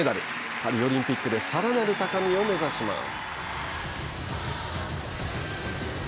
パリオリンピックでさらなる高みを目指します。